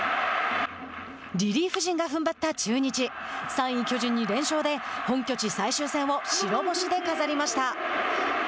リリーフ陣がふんばった中日３位巨人に連勝で本拠地最終戦を白星で飾りました。